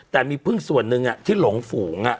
แต่มีพึ่งส่วนนึงอ่ะที่หลงฝูงอ่ะ